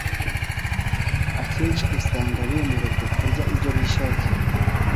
Akenshi usanga bemererwa kurya ibyo bishakira